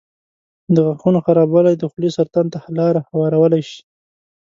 د غاښونو خرابوالی د خولې سرطان ته لاره هوارولی شي.